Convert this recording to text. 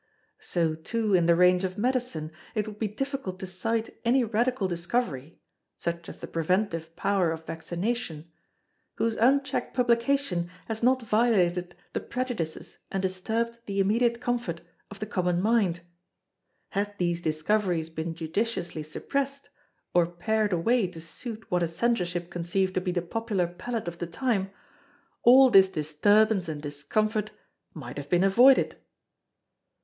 So, too, in the range of medicine, it would be difficult to cite any radical discovery (such as the preventive power of vaccination), whose unchecked publication has not violated the prejudices and disturbed the immediate comfort of the common mind. Had these discoveries been judiciously suppressed, or pared away to suit what a Censorship conceived to be the popular palate of the time, all this disturbance and discomfort might have been avoided.